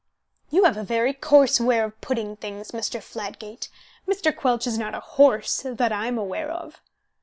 "You have a very coarse way of putting things, Mr. Fladgate. Mr. Quelch is not a horse, that I am aware of."